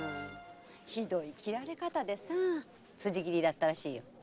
ひどい斬られ方でさ辻斬りだったらしいよ。